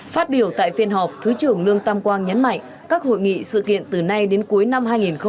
phát biểu tại phiên họp thứ trưởng lương tam quang nhấn mạnh các hội nghị sự kiện từ nay đến cuối năm hai nghìn hai mươi